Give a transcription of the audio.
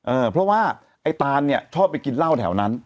เออเพราะว่าไอ้ตานเนี่ยชอบไปกินเหล้าแถวนั้น